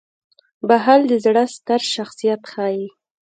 • بخښل د زړه ستر شخصیت ښيي.